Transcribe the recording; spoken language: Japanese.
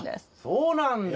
そうなんだ。